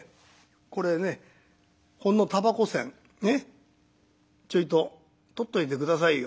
これねほんのたばこ銭ねっちょいと取っといて下さいよ」。